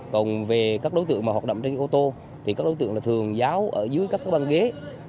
còn về các đối tượng mà hoạt động trên ô tô thì các đối tượng là thường giáo ở dưới các cái băng ghế